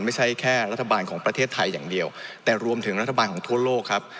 ไม่ใช่แค่รัฐบาลของประเทศไทยอย่างเดียวแต่รวมถึงรัฐบาลของทั่วโลกครับ